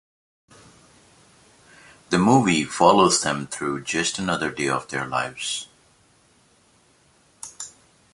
The movie follows them through just another day of their lives.